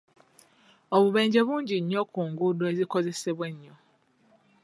Obubenje bungi nnyo ku nguudo ezikozesebwa ennyo .